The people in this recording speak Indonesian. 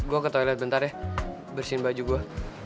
gue ke toilet bentar ya bersihin baju gue